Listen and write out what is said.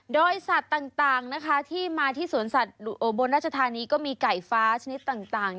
โดยสัตว์ต่างนะคะที่มาที่สวนสัตว์อุบลราชธานีก็มีไก่ฟ้าชนิดต่าง